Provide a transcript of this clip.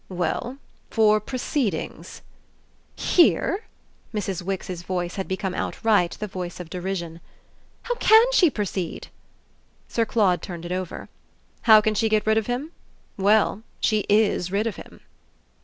"Well for proceedings." "Hers?" Mrs. Wix's voice had become outright the voice of derision. "How can SHE proceed?" Sir Claude turned it over. "How can she get rid of him? Well she IS rid of him."